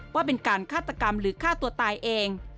ว่าเป็นการฆาตกรรมหรือฆ่าตัวตายเอง